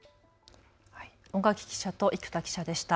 尾垣記者と生田記者でした。